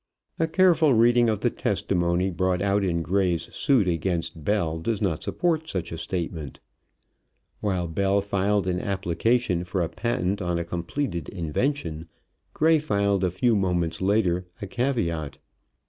A careful reading of the testimony brought out in Gray's suit against Bell does not support such a statement. While Bell filed an application for a patent on a completed, invention, Gray filed, a few moments later, a caveat.